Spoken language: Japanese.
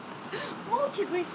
もう気付いた？